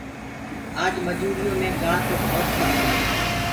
اج مجوُريو مي گآ تو ڀوت ٿڪ گآ۔